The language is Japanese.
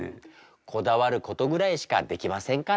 こだわることぐらいしかできませんから。